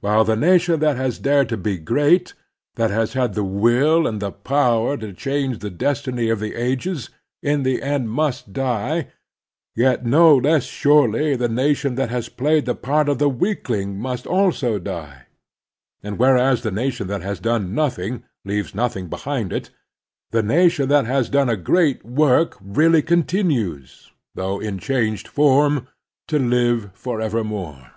While the nation that has dared to be great, that has had the will and the power to change the destiny of a7« The Strenuous Life the ages, in the end must die, yet no less surely the nation that has played the part of the weakling must also die; and whereas the nation that has done nothing leaves nothing behind it, the nation that has done a great work really continues, though in changed form, to live forevermore.